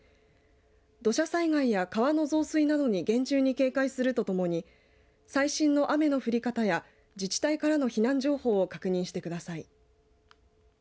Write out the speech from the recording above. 土砂災害や川の増水などに厳重に警戒するとともに最新の雨の降り方や自治体からの避難情報を確認してください。